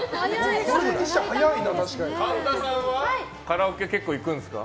神田さんはカラオケ結構行くんですか？